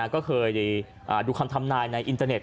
ก็เคยดูคำทำนายในอินเทอร์เน็